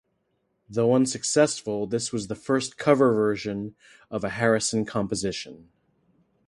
Though unsuccessful, this was the first cover version of a Harrison composition.